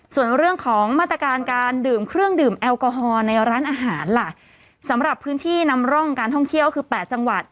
ส่วนเรื่องของมาตรการการดื่มเครื่องดื่มแอลกอฮอล์ในร้านอาหารล่ะสำหรับพื้นที่นำร่องการท่องเที่ยวคือแปดจังหวัด